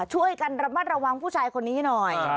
ช่วยกันระมัดระวังผู้ชายคนนี้หน่อย